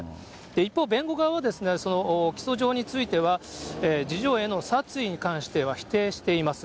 一方、弁護側は起訴状については、次女への殺意に関しては否定しています。